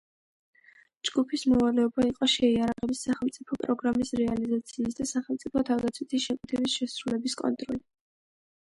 ჯგუფის მოვალეობა იყო შეიარაღების სახელმწიფო პროგრამის რეალიზაციის და სახელმწიფო თავდაცვითი შეკვეთის შესრულების კონტროლი.